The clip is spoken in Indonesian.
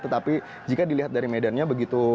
tetapi jika dilihat dari medannya begitu